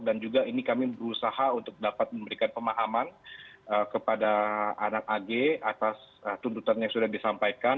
dan juga ini kami berusaha untuk dapat memberikan pemahaman kepada anak ag atas tuntutan yang sudah disampaikan